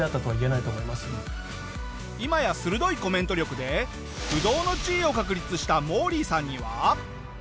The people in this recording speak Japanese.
今や鋭いコメント力で不動の地位を確立したモーリーさんには。